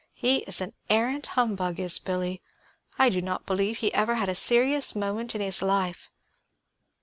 "He is an arrant humbug, is Billy; I do not believe he ever had a serious moment in his life.